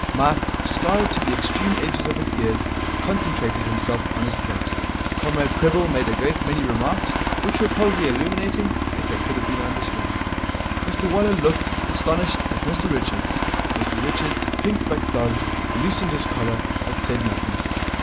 Mike, scarlet to the extreme edges of his ears, concentrated himself on his plate. Comrade Prebble made a great many remarks, which were probably illuminating, if they could have been understood. Mr Waller looked, astonished, at Mr Richards. Mr Richards, pink but dogged, loosened his collar, but said nothing.